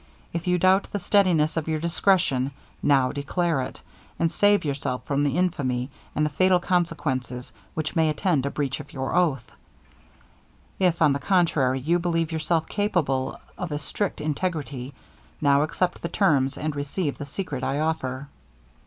If you doubt the steadiness of your discretion now declare it, and save yourself from the infamy, and the fatal consequences, which may attend a breach of your oath; if, on the contrary, you believe yourself capable of a strict integrity now accept the terms, and receive the secret I offer.'